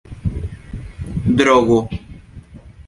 drogo